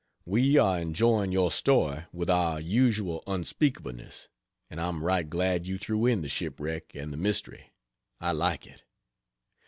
We are enjoying your story with our usual unspeakableness; and I'm right glad you threw in the shipwreck and the mystery I like it.